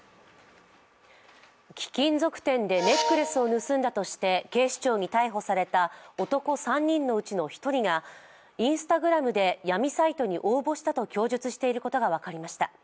貴金属店でネックレスを盗んだとして警視庁に逮捕された男３人のうちの１人がＩｎｓｔａｇｒａｍで闇サイトに応募したと供述していることが分かりました。